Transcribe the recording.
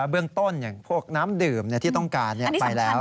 เบื้องต้นอย่างพวกน้ำดื่มที่ต้องการไปแล้ว